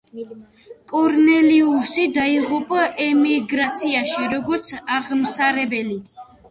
კორნელიუსი დაიღუპა ემიგრაციაში, როგორც აღმსარებელი.